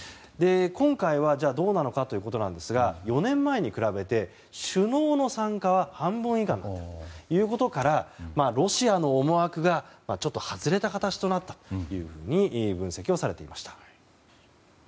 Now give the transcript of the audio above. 今回はどうなのかということですが４年前に比べて、首脳の参加は半分以下になったことからロシアの思惑が外れた形となったと分析をされていました。